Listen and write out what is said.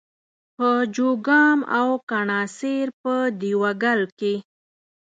په چوګام او کڼاسېر په دېوه ګل کښي